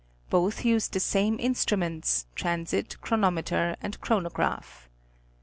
Both used the same instruments, transit, chronometer and chrono graph.